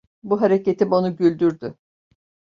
Bu hareketim onu güldürdü.